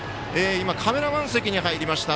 カメラマン席に入りました。